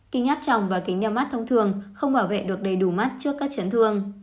kính áp trọng và kính đeo mắt thông thường không bảo vệ được đầy đủ mắt trước các chấn thương